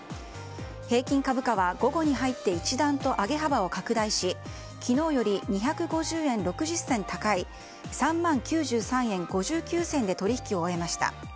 平均株価は午後に入って一段と上げ幅を拡大し昨日より２５０円６０銭高い３万９３円５９銭で取引を終えました。